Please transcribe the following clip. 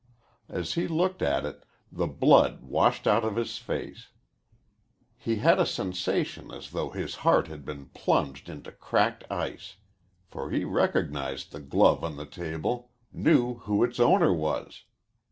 As he looked at it the blood washed out of his face. He had a sensation as though his heart had been plunged into cracked ice. For he recognized the glove on the table, knew who its owner was.